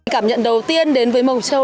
cảm nhận đầu tiên đến với mộc châu